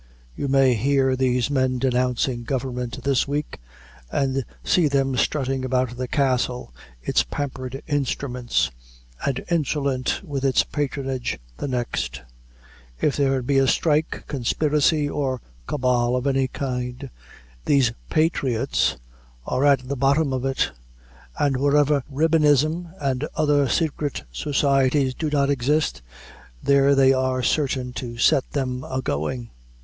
You may hear these men denouncing government this week, and see them strutting about the Castle, its pampered instruments, and insolent with its patronage, the next. If there be a strike, conspiracy, or cabal of any kind, these "patriots" are at the bottom of it; and wherever ribbonism and other secret societies do not exist, there they are certain to set them agoing.